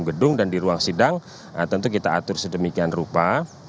gedung dan di ruang sidang tentu kita atur sedemikian rupa